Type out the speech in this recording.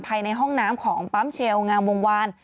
ภายในห้องน้ำของปั๊มเชลงามวงวาน